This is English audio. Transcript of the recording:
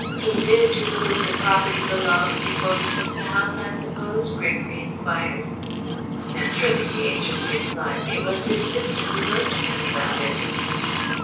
"He knew to whom the property belonged before he took the house, I suppose?" Gregory enquired. "Naturally," the agent replied. "It was his sister who wrote to him about it."